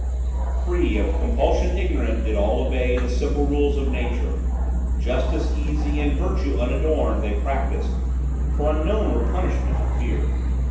Free, of compulsion ignorant, did all obey The simple rules of nature. Justice easy And virtue unadorned they practised; for unknown Were punishment and fear.